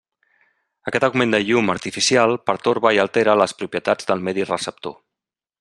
Aquest augment de llum artificial pertorba i altera les propietats del medi receptor.